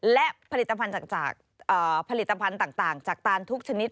และผลิตภัณฑ์ต่างจากตานทุกชนิด